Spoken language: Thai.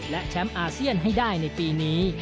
และแชมป์อาเซียนให้ได้ในปีนี้